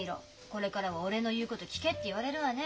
これからは俺の言うこと聞け」って言われるわね。